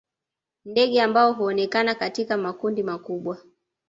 Ndege ambao huonekana katika makundi makubwa